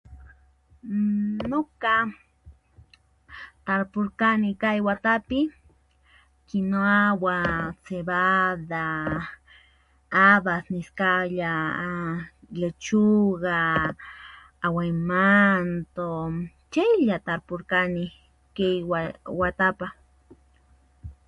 Nuka apurkani kay watapi: nawa, cebada abas niskalla a a, lechuga, aguaymanto. Chaylla apurkani kay watapaq